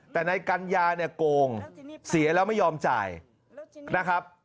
แต่ในกรรยาโกงเสียแล้วไม่ยอมจ่ายนะครับ